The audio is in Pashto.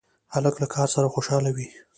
هلک له کار سره خوشحاله وي.